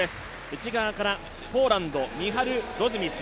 内側からポーランドミハル・ロズミス。